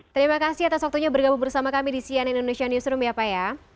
terima kasih atas waktunya bergabung bersama kami di cnn indonesia newsroom ya pak ya